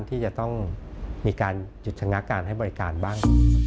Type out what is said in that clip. ที่จะต้องมีการจุดชะงักการให้บริการบ้าง